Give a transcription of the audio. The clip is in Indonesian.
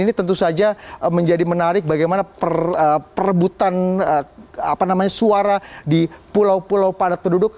ini tentu saja menjadi menarik bagaimana perebutan suara di pulau pulau padat penduduk